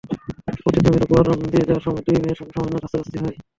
পতিত জমির ওপর দিয়ে যাওয়ার সময় দুই মেয়ের সঙ্গে সামান্য ধ্বস্তাধস্তি হয়।